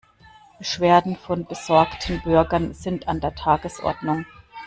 Beschwerden von besorgten Bürgern sind an der Tagesordnung.